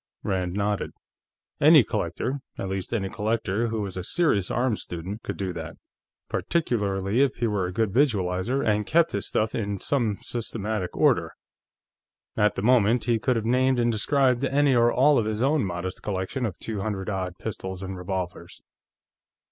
Rand nodded. Any collector at least, any collector who was a serious arms student could do that, particularly if he were a good visualizer and kept his stuff in some systematic order. At the moment, he could have named and described any or all of his own modest collection of two hundred odd pistols and revolvers.